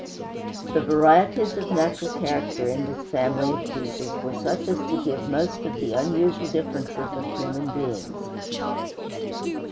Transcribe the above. The varieties of natural character in this family of Jesus were such as to give most of the usual differences of human beings.